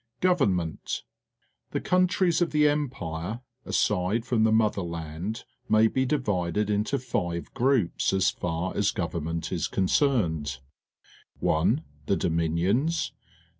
Government. — The co untries of the Em pire, aside from the Motherland, may be di vided intg five groups, as far as government is concerned: (1) Tlie_I)o2ninwiis